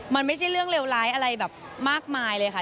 มันไม่ใช่เรื่องเลวร้ายอะไรแบบมากมายเลยค่ะ